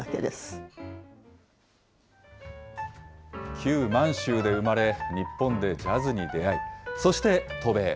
旧満州で生まれ、日本でジャズに出会い、そして渡米。